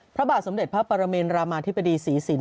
พระบาทสมเด็จพระปรเมนรามาธิบดีศรีสิน